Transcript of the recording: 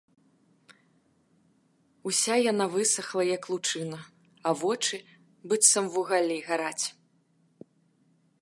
Уся яна высахла, як лучына, а вочы, быццам вугалі, гараць.